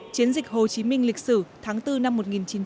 chiến dịch hồ chí minh lịch sử tháng bốn năm một nghìn chín trăm bảy mươi